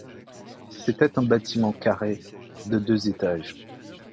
C'était un bâtiment carré de deux étages.